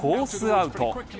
アウト。